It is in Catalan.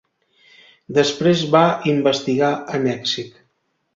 Després va investigar a Mèxic.